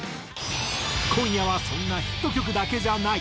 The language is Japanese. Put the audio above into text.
今夜はそんなヒット曲だけじゃない！